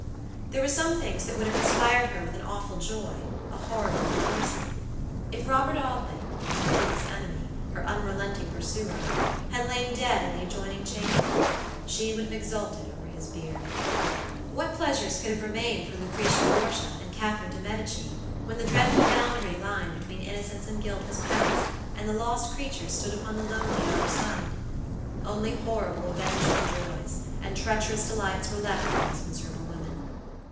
There were some things that would have inspired her with an awful joy, a horrible rejoicing. If Robert Audley, her pitiless enemy, her unrelenting pursuer, had lain dead in the adjoining chamber, she would have exulted over his bier. What pleasures could have remained for Lucretia Borgia and Catharine de Medici, when the dreadful boundary line between innocence and guilt was passed, and the lost creatures stood upon the lonely outer side? Only horrible, vengeful joys, and treacherous delights were left for these miserable women.